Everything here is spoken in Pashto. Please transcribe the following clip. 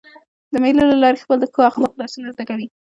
د مېلو له لاري خلک د ښو اخلاقو درسونه زده کوي.